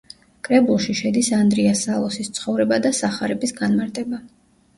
კრებულში შედის ანდრია სალოსის ცხოვრება და სახარების განმარტება.